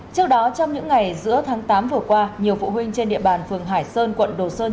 trước đó trong những ngày giữa tháng tám vừa qua nhiều phụ huynh trên địa bàn phường hải sơn quận đồ sơn